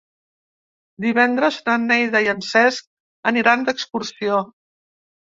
Divendres na Neida i en Cesc aniran d'excursió.